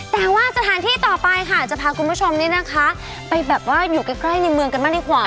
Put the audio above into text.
แต่ว่าสถานที่ต่อไปค่ะจะพาคุณผู้ชมนี่นะคะไปแบบว่าอยู่ใกล้ในเมืองกันบ้างดีกว่า